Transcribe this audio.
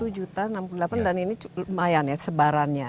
satu juta enam puluh delapan dan ini lumayan ya sebarannya